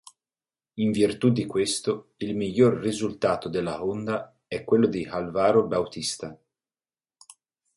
In virtù di questo, il miglior risultato della Honda è quello di Álvaro Bautista.